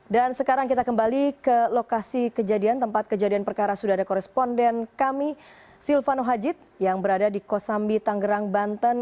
dan sekarang kita kembali ke lokasi kejadian tempat kejadian perkara sudah ada koresponden kami silvano hajid yang berada di kosambi tanggerang banten